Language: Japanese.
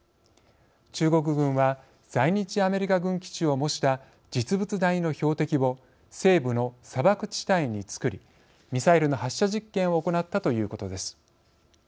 中国軍は在日アメリカ軍基地を模した実物大の標的を西部の砂漠地帯に作りミサイルの発射実験を行ったということです。